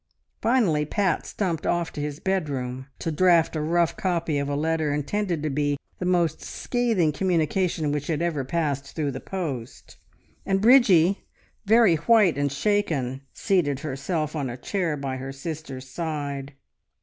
Finally Pat stumped off to his bedroom, to draft a rough copy of a letter intended to be the most scathing communication which had ever passed through the post; and Bridgie, very white and shaken, seated herself on a chair by her sister's side.